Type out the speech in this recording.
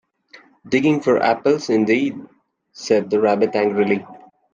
‘Digging for apples, indeed!’ said the Rabbit angrily.